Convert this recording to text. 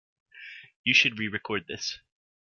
You should re-record this.